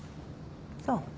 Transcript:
そう。